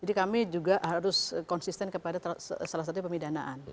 jadi kami juga harus konsisten kepada salah satu pemidanaan